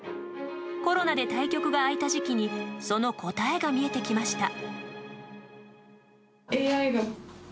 コロナで対局が開いた時期にその答えが見えてきました。